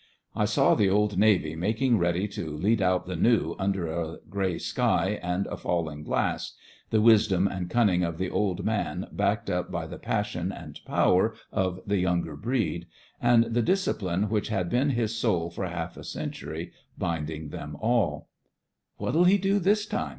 I saw the Old Navy making ready to lead out the New under a grey sky and a falling glass — the wisdom and cunning of the old man backed up by the passion and power of the younger breed, and the discipline which had been his soul for half a century binding them all, "What'll he do this time?"